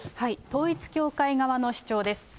統一教会側の主張です。